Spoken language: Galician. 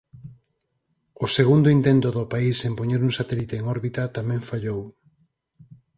O segundo intento do país en poñer un satélite en órbita tamén fallou.